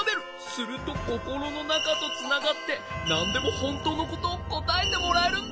するとココロのなかとつながってなんでもほんとうのことをこたえてもらえるんだ。